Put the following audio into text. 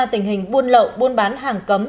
tình hình buôn lậu buôn bán hàng cấm